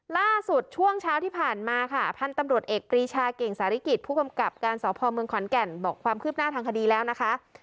ช่วงเช้าที่ผ่านมาค่ะพันธุ์ตำรวจเอกปรีชาเก่งสาริกิจผู้กำกับการสพเมืองขอนแก่นบอกความคืบหน้าทางคดีแล้วนะคะ